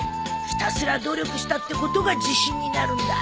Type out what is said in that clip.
ひたすら努力したってことが自信になるんだ。